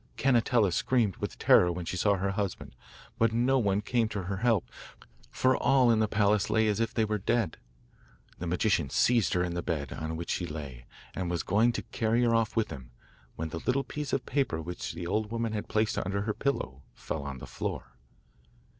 Cannetella screamed with terror when she saw her husband, but no one came to her help, for all in the palace lay as if they were dead. The magician seized her in the bed on which she lay, and was going to carry her off with him, when the little piece of paper which the old woman had placed under her pillow fell on the floor.